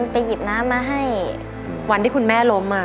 ไปหยิบน้ำมาให้วันที่คุณแม่ล้ม